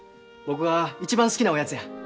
僕が一番好きなおやつや。